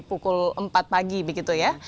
pukul empat pagi begitu ya